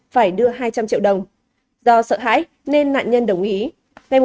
phải đưa hai trăm linh triệu đồng do sợ hãi nên nạn nhân đồng ý